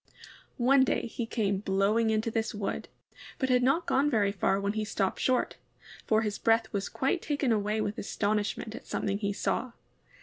One day he came blowing into this wood, but had not gone very far when he stopped short, for his breath was quite taken away with astonishment at something he saw.